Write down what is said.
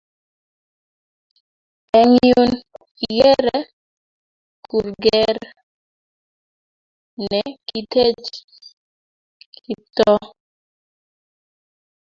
Eng' yun igeere kurger ne kitech Kiptoo.